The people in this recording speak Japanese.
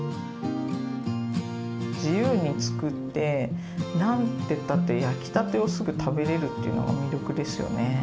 自由につくってなんてったって焼きたてをすぐ食べれるっていうのが魅力ですよね。